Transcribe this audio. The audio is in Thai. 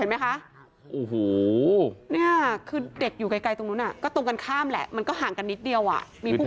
อ้าวนู่นเห็นไหม